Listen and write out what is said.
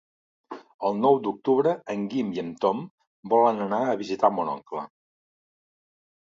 El nou d'octubre en Guim i en Tom volen anar a visitar mon oncle.